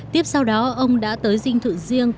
tiếp sau đó ông đã tới dinh chí của các lực lượng vũ trang anh